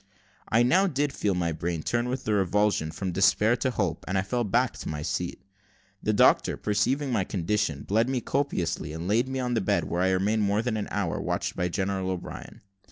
I now did feel my brain turn with the revulsion from despair to hope, and I fell back in my seat. The doctor perceiving my condition, bled me copiously, and laid me on the bed, where I remained more than an hour, watched by General O'Brien.